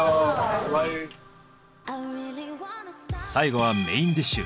最後はメインディッシュ。